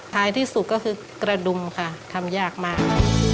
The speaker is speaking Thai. ท้ายที่สุดก็คือกระดุมค่ะทำยากมาก